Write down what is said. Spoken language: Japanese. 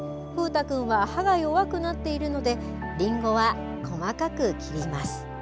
風太くんは歯が弱くなっているのでりんごは細かく切ります。